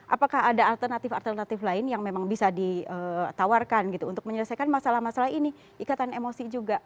apakah ada alternatif alternatif lain yang memang bisa ditawarkan gitu untuk menyelesaikan masalah masalah ini ikatan emosi juga